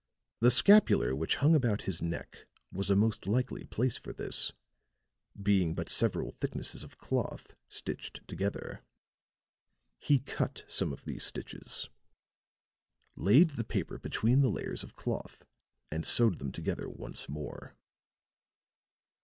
The scapular which hung about his neck was a most likely place for this, being but several thicknesses of cloth stitched together. He cut some of these stitches, laid the paper between the layers of cloth and sewed them together once more."